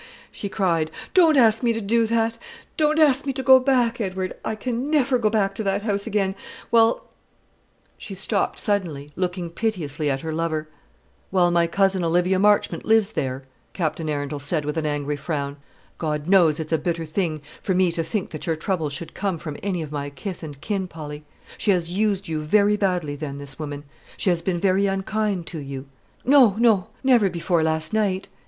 she cried; "don't ask me to do that, don't ask me to go back, Edward. I can never go back to that house again, while " She stopped suddenly, looking piteously at her lover. "While my cousin Olivia Marchmont lives there," Captain Arundel said with an angry frown. "God knows it's a bitter thing for me to think that your troubles should come from any of my kith and kin, Polly. She has used you very badly, then, this woman? She has been very unkind to you?" "No, no! never before last night.